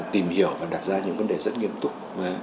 tìm hiểu và đặt ra những vấn đề rất nghiêm túc